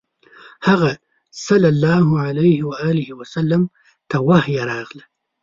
هغه ﷺ ته وحی راغله.